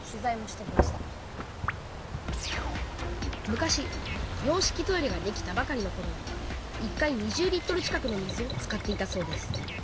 昔洋式トイレができたばかりのころは１回２０リットル近くの水を使っていたそうです。